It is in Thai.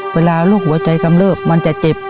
เวลาโรคหัวใจกำเริบมันจะเจ็บ